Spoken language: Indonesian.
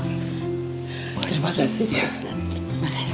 terima kasih pak ustadz